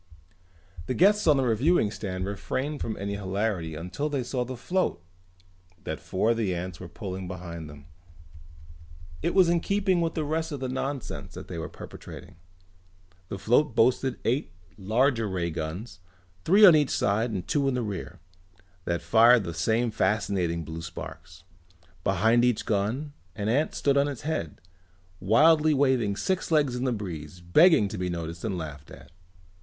The guests on the reviewing stand refrained from any hilarity until they saw the float that four of the ants were pulling behind them. It was in keeping with the rest of the nonsense they were perpetrating. The float boasted eight larger ray guns, three on either side and two in the rear, that fired the same fascinating blue sparks. Behind each gun an ant stood on its head, wildly waving six legs in the breeze, begging to be noticed and laughed at.